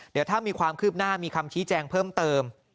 เดี๋ยวถ้ามีความคืบหน้ามีคำชี้แจงเพิ่มเติม